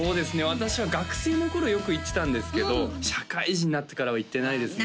私は学生の頃よく行ってたんですけど社会人になってからは行ってないですね